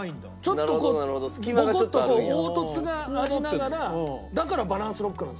ちょっとこうボコッとこう凹凸がありながらだからバランスロックなんですよ。